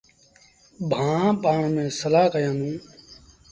ڀآن پآڻ ميݩ سلآه ڪيآݩدوݩ۔